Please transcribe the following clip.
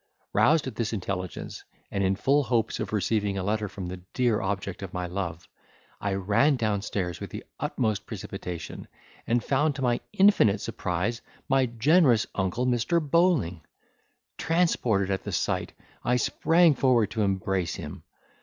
Roused at this intelligence, and in full hopes of receiving a letter from the dear object of my love, I ran downstairs with the utmost precipitation. And found to my infinite surprise my generous uncle, Mr. Bowling! Transported at the sight, I sprang forward to embrace him.